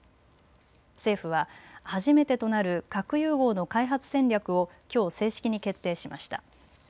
政府は初めてとなる核融合の開発戦略をきょう正式に決定しました。